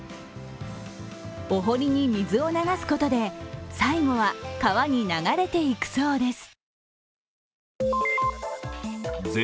お堀に水を流すことで最後は川に流れていくそうです。